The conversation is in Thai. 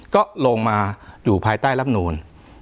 ก็ลงมาอยู่ภายใต้รับนูล